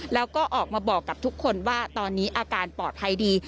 แล้วก็ออกมาบอกกับทุกคนว่าตอนนี้อาการปลอดภัยดี